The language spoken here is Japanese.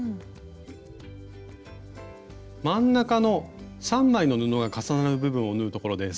真ん中の３枚の布が重なる部分を縫うところです。